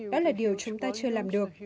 đó là điều chúng ta chưa làm được